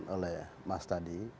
oleh mas tadi